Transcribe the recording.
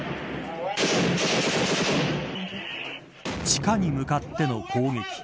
地下に向かっての攻撃。